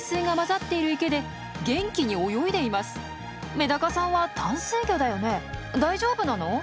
メダカさんは淡水魚だよね大丈夫なの？